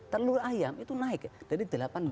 telur ayam itu naik dari delapan belas